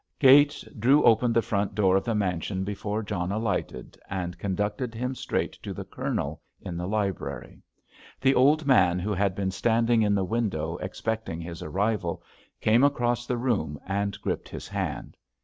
Gates drew open the front door of the mansion before John alighted and conducted him straight to the Colonel, in the library. The old man, who had been standing in the window expecting his arrival, came across the room and gripped his hand.